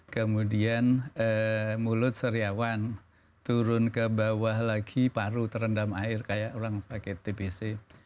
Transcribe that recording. kemudian mulut seriawan turun ke bawah lagi paru terendam air kayak orang sakit tbc